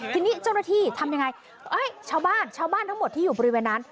ทีนี้เจ้าหน้าที่ทำยังไงเอ้ยชาวบ้านชาวบ้านทั้งหมดที่อยู่บริเวณนั้น